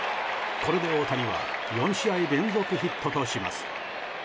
これで大谷は４試合連続ヒットとします。